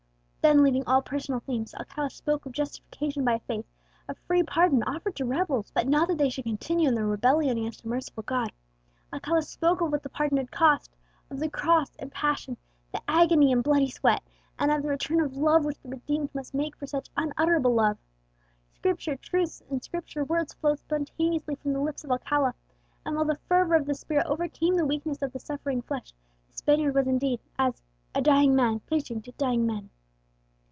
Then, leaving all personal themes, Alcala spoke of justification by faith, of free pardon offered to rebels, but not that they should continue in their rebellion against a merciful God. Alcala spoke of what that pardon had cost, of the cross and passion, the agony and bloody sweat, and of the return of love which the redeemed must make for such unutterable love! Scripture truths in Scripture words flowed spontaneously from the lips of Alcala; and while the fervour of the spirit overcame the weakness of the suffering flesh, the Spaniard was indeed as "a dying man preaching to dying men."